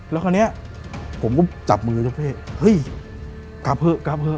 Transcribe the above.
แล้วคราวนี้ผมก็จับมือเจ้าเฟ่เฮ้ยกลับเถอะกลับเหอะ